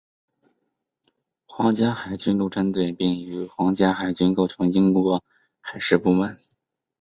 皇家海军陆战队并与皇家海军构成为英国海事部门。